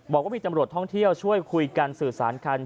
บอกว่ามีตำรวจท่องเที่ยวช่วยคุยกันสื่อสารกัน